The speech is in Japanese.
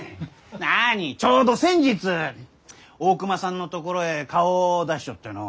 なにちょうど先日大隈さんのところへ顔を出しちょってのう。